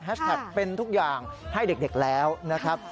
เป็นทุกอย่างให้เด็กแล้วนะครับ